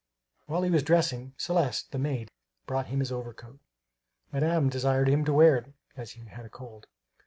While he was dressing, Celeste, the maid, brought him his overcoat. Madame desired him to wear it, as he had a cold.